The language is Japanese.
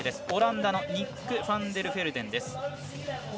オランダのニック・ファンデルフェルデン。